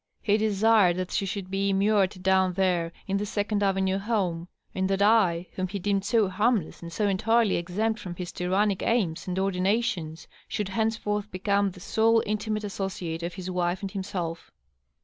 He desired that she should be immured down there in the Second Avenue home^ and that I^ whom he deemed so harmless and so entirely exempt from his tyrannic aims and ordinations^ should henceforth become the sole inti mate associate of his wife and himself.